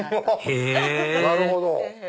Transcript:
へぇなるほど。